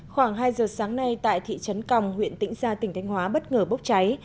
khoảng hai giờ sáng nay tại thị trấn còng huyện tỉnh gia tỉnh thánh hóa bất ngờ bốc cháy